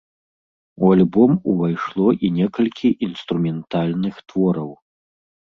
У альбом увайшло і некалькі інструментальных твораў.